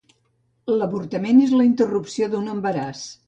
L'avortament és la interrupció d'un embaràs.